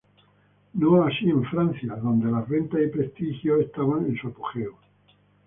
No así en Francia, donde las ventas y prestigio estaban en su apogeo.